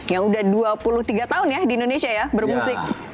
yang udah dua puluh tiga tahun ya di indonesia ya bermusik